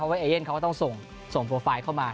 ว่าเอเย่นเขาก็ต้องส่งโปรไฟล์เข้ามา